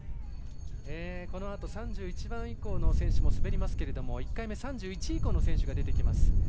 このあと３１番以降の選手も滑りますけれども１回目、３１位以降の選手が出てきます。